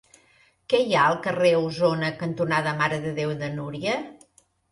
Què hi ha al carrer Osona cantonada Mare de Déu de Núria?